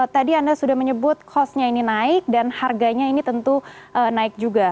tadi anda sudah menyebut costnya ini naik dan harganya ini tentu naik juga